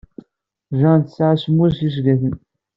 Jane tesɛa semmus yesgaten.